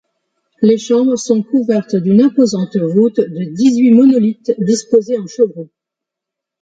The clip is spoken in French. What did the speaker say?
Les chambres sont couvertes d'une imposante voûte de dix-huit monolithes disposés en chevrons.